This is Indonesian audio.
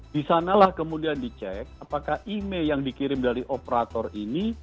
di sanalah kemudian dicek apakah email yang dikirim dari operator ini